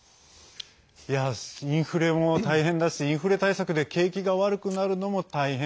インフレも大変だしインフレ対策で景気が悪くなるのも大変。